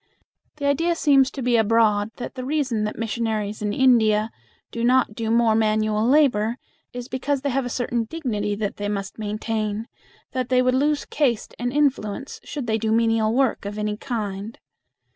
The idea seems to be abroad that the reason that missionaries in India do not do more manual labor is because they have a certain dignity that they must maintain; that they would lose caste and influence should they do menial work of any kind.